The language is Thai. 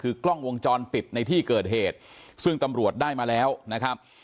คือกล้องวงจรปิดในที่เกิดเหตุซึ่งตำรวจได้มาแล้วนะครับ